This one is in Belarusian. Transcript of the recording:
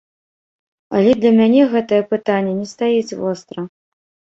Але для мяне гэтае пытанне не стаіць востра.